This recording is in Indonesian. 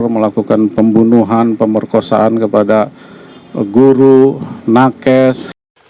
melakukan pembunuhan pemerkosaan kepada guru nakes